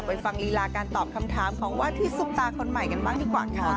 ฟังลีลาการตอบคำถามของว่าที่ซุปตาคนใหม่กันบ้างดีกว่าค่ะ